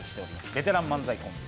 ベテラン漫才コンビ。